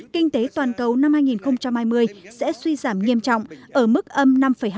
kinh tế toàn cầu năm hai nghìn hai mươi sẽ suy giảm nghiêm trọng ở mức âm năm hai